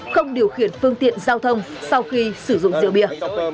không điều khiển phương tiện giao thông sau khi sử dụng rượu bia